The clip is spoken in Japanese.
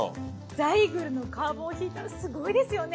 ザイグルのカーボンヒーターすごいですよね。